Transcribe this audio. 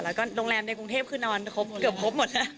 แล้วก็โรงแรมในกรุงเทพคือนอนครบเกือบครบหมดแล้ว